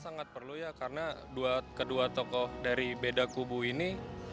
sangat perlu ya karena kedua tokoh dari beda kubu ini